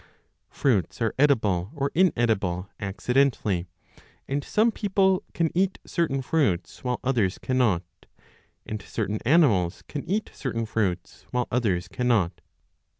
Fruits are edible or inedible accidentally, and some people can eat certain fruits while others cannot, and certain animals can eat certain fruits while 5 others cannot.